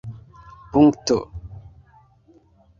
punkto